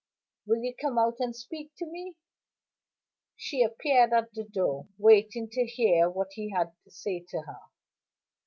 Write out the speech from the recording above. "Will you come out and speak to me?" She appeared at the door, waiting to hear what he had to say to her.